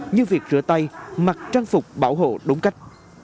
như việc rửa tay mặc trang phục bảo hộ đúng cách